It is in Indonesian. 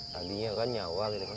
tadinya kan nyawa gitu kan